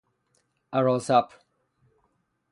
اراسپ